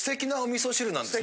なんですね。